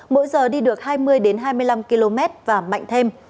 mỗi giờ đi được hai mươi hai mươi năm km và mạnh thêm